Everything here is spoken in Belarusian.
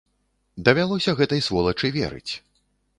Давялося гэтай сволачы верыць.